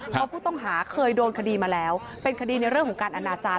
เพราะผู้ต้องหาเคยโดนคดีมาแล้วเป็นคดีในเรื่องของการอนาจารย